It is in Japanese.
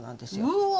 うわ！